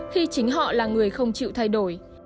khi chính họ là người không chịu thay đổi